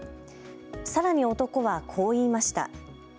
さらに男はこう言いました。